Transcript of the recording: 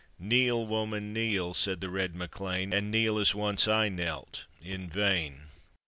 " Kneel, woman, kneel," said the red MacLean, "And kneel as once I knelt — in vain!"